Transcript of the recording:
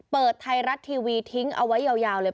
เปิดไทยรัฐทีวีทิ้งเอาไว้ยาวเลย